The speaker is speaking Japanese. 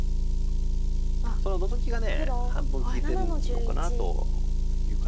そのノゾキが半分利いてるのかなという感じです。